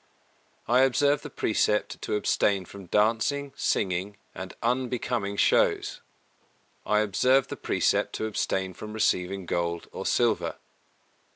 I observe the precept to abstain from dancing, singing and unbecoming shows. I observe the precept to abstain from receiving gold or silver.